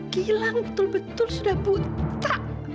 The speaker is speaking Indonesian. gilang betul betul sudah buta